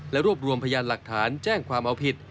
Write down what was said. รวบรวมพยานหลักฐานแจ้งความเอาผิด